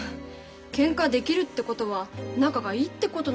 けんかできるってことは仲がいいってことなんじゃない？